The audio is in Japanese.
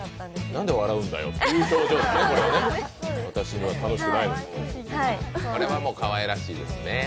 何で笑うんだよという表情ですよね。